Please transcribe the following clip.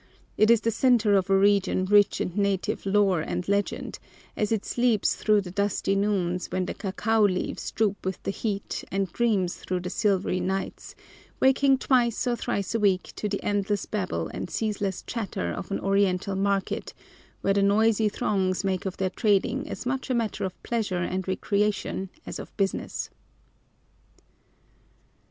It is the center of a region rich in native lore and legend, as it sleeps through the dusty noons when the cacao leaves droop with the heat and dreams through the silvery nights, waking twice or thrice a week to the endless babble and ceaseless chatter of an Oriental market where the noisy throngs make of their trading as much a matter of pleasure and recreation as of business.